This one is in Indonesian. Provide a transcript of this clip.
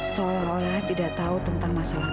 seolah olah tidak tahu tentang masalah